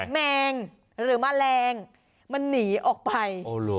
แมงหรือแมลงมันหนีออกไป